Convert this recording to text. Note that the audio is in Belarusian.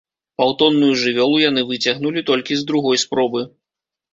Паўтонную жывёлу яны выцягнулі толькі з другой спробы.